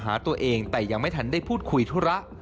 หาตัวเองแต่ยังไม่ทันได้พูดคุยธุระ